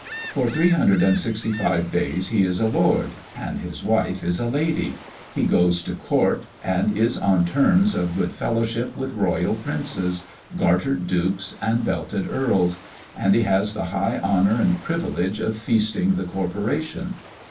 For three hundred and sixty five days he is a "Lord," and his wife is a "Lady"; he goes to Court, and is on terms of good fellowship with royal princes, gartered dukes, and belted earls; and he has the high honour and privilege of feasting the Corporation.